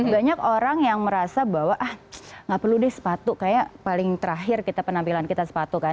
banyak orang yang merasa bahwa ah gak perlu deh sepatu kayak paling terakhir kita penampilan kita sepatu kan